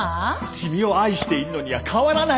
君を愛しているのには変わらないよ愛！